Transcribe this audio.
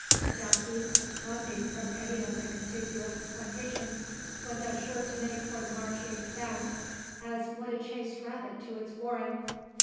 A "darkey" absconding from any of the contiguous plantations, was as sure to make for the marshy expanse, as would a chased rabbit to its warren.